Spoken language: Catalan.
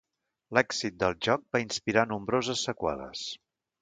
L'èxit del joc va inspirar nombroses seqüeles.